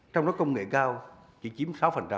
trong đó công nghệ cao chỉ chiếm sáu